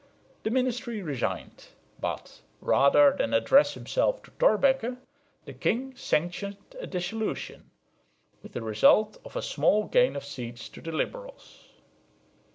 The ministry resigned; but, rather than address himself to Thorbecke, the king sanctioned a dissolution, with the result of a small gain of seats to the liberals.